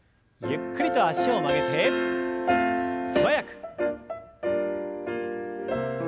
ゆっくりと脚を曲げて素早く。